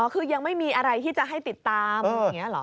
คือยังไม่มีอะไรที่จะให้ติดตามอย่างนี้เหรอ